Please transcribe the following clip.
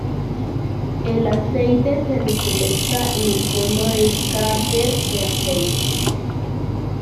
El aceite se recolecta en el fondo del cárter de aceite.